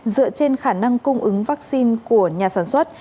dựa trên khả năng cung ứng vaccine của nhà sản xuất